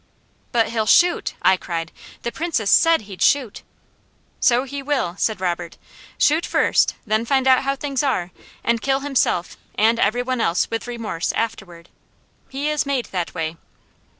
"But he'll shoot!" I cried. "The Princess said he'd shoot!" "So he will!" said Robert. "Shoot first, then find out how things are, and kill himself and every one else with remorse, afterward. He is made that way."